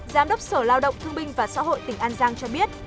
giám đốc sở lao động thương binh và xã hội tỉnh an giang cho biết